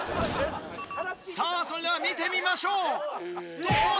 さぁそれでは見てみましょうどうだ？